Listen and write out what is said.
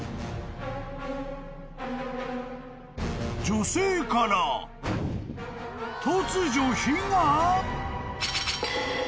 ［女性から突如火が？］